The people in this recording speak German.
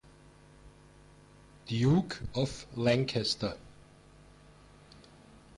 Duke of Lancaster.